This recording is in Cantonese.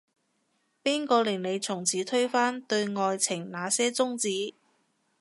邊個令你從此推翻，對愛情那些宗旨